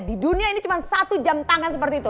di dunia ini cuma satu jam tangan seperti itu